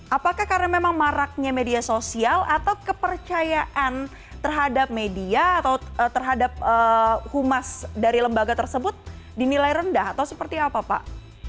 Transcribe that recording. apakah karena memang maraknya media sosial atau kepercayaan terhadap media atau terhadap humas dari lembaga tersebut dinilai rendah atau seperti apa pak